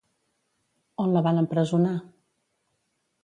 On la van empresonar?